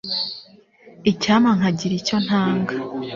Icyampa nkagira icyo ntanga.